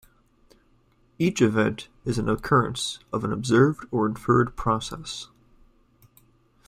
Each event is an occurrence of an observed or inferred process.